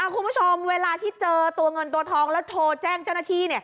คุณผู้ชมเวลาที่เจอตัวเงินตัวทองแล้วโทรแจ้งเจ้าหน้าที่